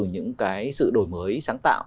những cái sự đổi mới sáng tạo